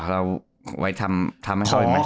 อ๋อเราไว้ทำให้เขาไหม